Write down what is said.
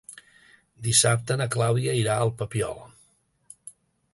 Dissabte na Clàudia irà al Papiol.